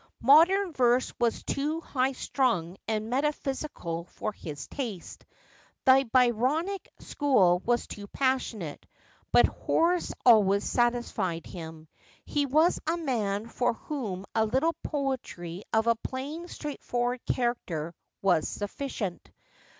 Modern verse was too high strung and metaphysical for his taste — the Byronic school too passionate ; but Horace always satisfied him. He was a man for whom a little poetry of a plain straightforward character was sufficient.